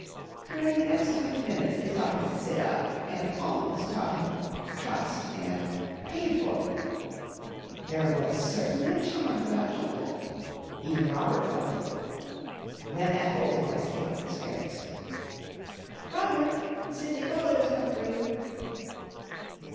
During the next twenty minutes they taught him to sit up and almost taught him "Trust" and "Paid for." There was certainly a charm about Jumble. Even Robert felt it. Then Ethel's voice came up the stairs. "Robert! Sydney Bellew's come for you."